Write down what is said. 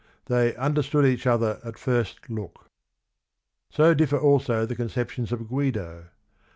They "understood each other at first look." So differ also the conceptions of Guido.